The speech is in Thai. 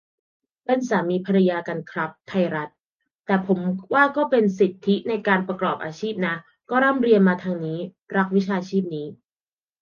เป็นสามี-ภรรยากันครับ ไทยรัฐ : แต่ผมว่าก็เป็นสิทธิในการประกอบอาชีพนะ ก็ร่ำเรียนมาทางนี้ รักวิชาชีพนี้